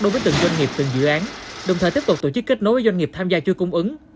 đối với từng doanh nghiệp từng dự án đồng thời tiếp tục tổ chức kết nối với doanh nghiệp tham gia chuỗi cung ứng